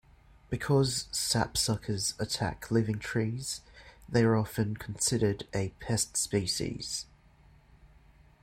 Because sapsuckers attack living trees, they are often considered a pest species.